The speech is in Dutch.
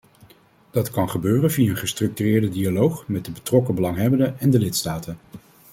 Dat kan gebeuren via een gestructureerde dialoog met de betrokken belanghebbenden en de lidstaten.